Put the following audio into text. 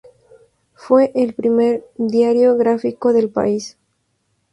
Fue el primer diario gráfico del país.